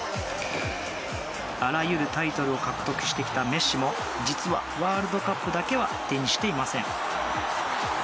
あらゆるタイトルを獲得してきたメッシも実は、ワールドカップだけは手にしていません。